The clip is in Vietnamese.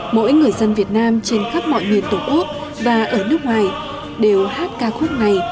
mỗi người dân việt nam trên khắp mọi miền tổ quốc và ở nước ngoài đều hát ca khúc này